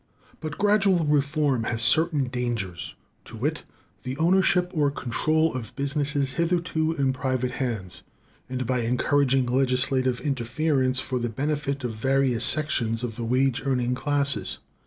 But gradual reform has certain dangers, to wit, the ownership or control of businesses hitherto in private hands, and by encouraging legislative interference for the benefit of various sections of the wage earning classes.